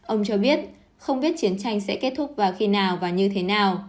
ông cho biết không biết chiến tranh sẽ kết thúc vào khi nào và như thế nào